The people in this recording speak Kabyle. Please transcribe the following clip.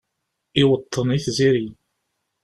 Iweṭṭen i tziri